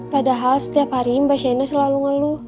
padahal setiap hari mbak shena selalu ngeluh